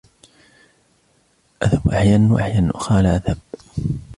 أذهب أحياناً ، وأحياناً أُخْرى لا أذهب.